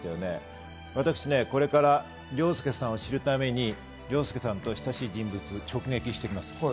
私これから凌介さんを知るために凌介さんと親しい人物を直撃してきます。